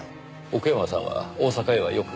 奥山さんは大阪へはよく？